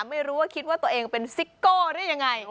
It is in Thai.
ไม่รู้ว่าคิดว่าตัวเองเป็นซิโก้หรือยังไง